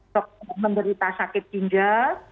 dokter menderita sakit ginjal